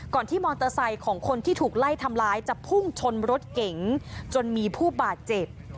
ที่มอเตอร์ไซค์ของคนที่ถูกไล่ทำร้ายจะพุ่งชนรถเก๋งจนมีผู้บาดเจ็บ